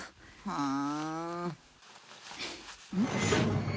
ああ。